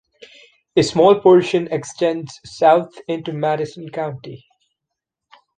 A small portion extends south into Madison County.